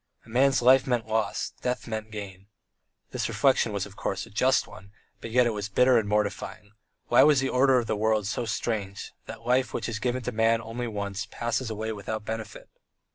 A man's life meant loss: death meant gain. This reflection was, of course, a just one, but yet it was bitter and mortifying; why was the order of the world so strange, that life, which is given to man only once, passes away without benefit?